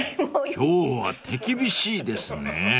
［今日は手厳しいですねぇ］